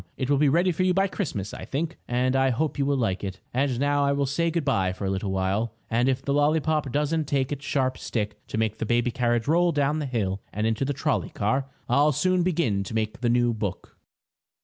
It will be ready for you by Christmas, I think, and I hope you will like it. And now I will say good bye for a little while, and if the lollypop doesn't take its sharp stick to make the baby carriage roll down the hill and into the trolley car, I'll soon begin to make the new book.